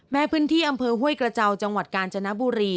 พื้นที่อำเภอห้วยกระเจ้าจังหวัดกาญจนบุรี